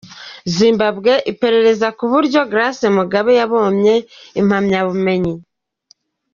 Zimbabwe: Iperereza ku buryo Grace Mugabe yabonye impamyabumenyi.